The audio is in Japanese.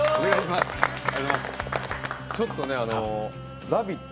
ちょっと「ラヴィット！」